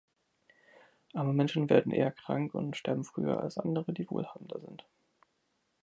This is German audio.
Arme Menschen werden eher krank und sterben früher als andere, die wohlhabender sind.